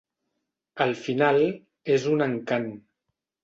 Al final, és un encant.